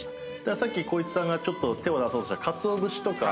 さっき光一さんがちょっと手を出そうとした鰹節とか。